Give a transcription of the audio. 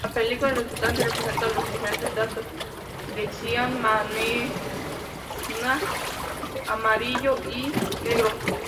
La película resultante representa los diferentes datos de cian, magenta, amarillo y negro.